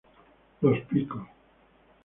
Los Picos.